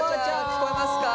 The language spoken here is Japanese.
聞こえますか？